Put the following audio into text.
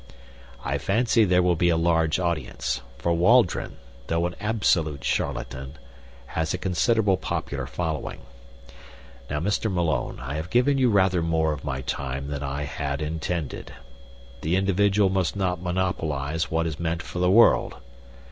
I fancy there will be a large audience, for Waldron, though an absolute charlatan, has a considerable popular following. Now, Mr. Malone, I have given you rather more of my time than I had intended. The individual must not monopolize what is meant for the world.